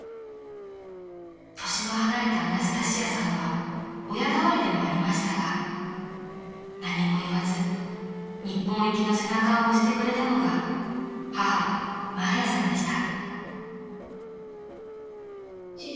［年の離れたアナスタシアさんは親代わりでもありましたが何も言わず日本行きの背中を押してくれたのが母マーヤさんでした］